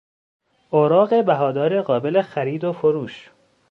اوراق بهادار قابل خرید و فروش